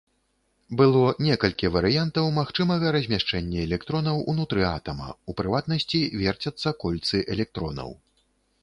Было некалькі варыянтаў магчымага размяшчэння электронаў ўнутры атама, у прыватнасці верцяцца кольцы электронаў.